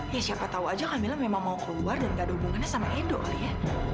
ya siapa tau aja kamila memang mau keluar dan gak ada hubungannya sama edo kali ya